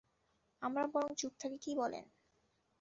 আমরা বরং চুপ থাকি, কি বলেন?